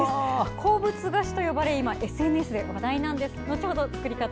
鉱物菓子と呼ばれ今、ＳＮＳで話題なんです。